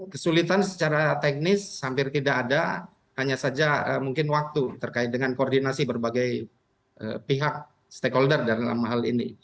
kesulitan secara teknis hampir tidak ada hanya saja mungkin waktu terkait dengan koordinasi berbagai pihak stakeholder dalam hal ini